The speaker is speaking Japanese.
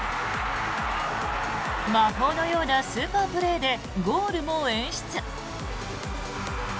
魔法のようなスーパープレーでゴールも演出。